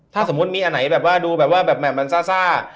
ถ้าสมมุติมีอันไหนดูแบบแบบแบบมันซ่า